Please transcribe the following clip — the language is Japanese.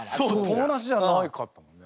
友達じゃなかったもんね。